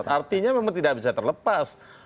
artinya memang tidak bisa terlepas